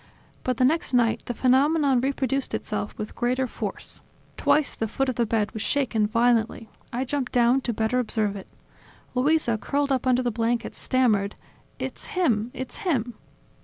But the next night, the phenomenon reproduced itself with greater force. Twice the foot of the bed was shaken violently. I jumped down to better observe it. Luisa, curled up under the blankets, stammered: "It's him! It's him!"